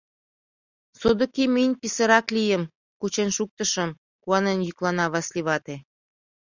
Содыки мынь писырак лийым — кучен шуктышым, — куанен йӱклана Васли вате.